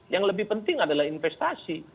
yang lebih penting adalah investasi